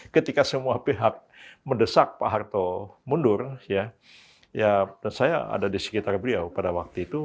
ketika semua pihak mendesak pak harto mundur ya dan saya ada di sekitar beliau pada waktu itu